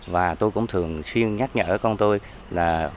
và tôi cũng thường xuyên nhắc nhở con tôi là